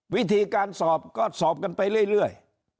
วิธีการสอบก็สอบกันไปเรื่อย